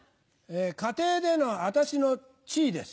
家庭での私の地位です。